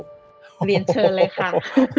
เรียนเชิญเลยค่ะ